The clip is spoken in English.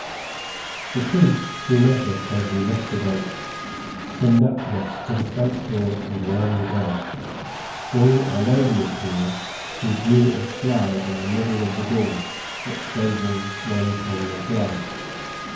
The priest, who met us as we left the boat, conducted us to the front door and rang the bell. Soon a lady appeared, who drew a slide in the middle of the door, exposing one pane of glass.